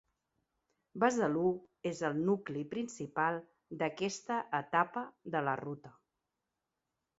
Besalú és el nucli principal d'aquesta etapa de la ruta.